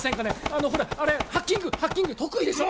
あのほらあれハッキングハッキング得意でしょ？